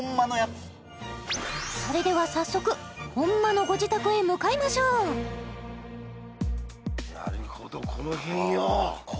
それでは早速ホンマのご自宅へ向かいましょうなるほどこの辺よ